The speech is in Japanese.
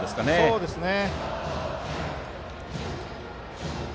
そうですね。